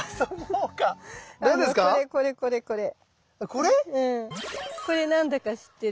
これ何だか知ってる？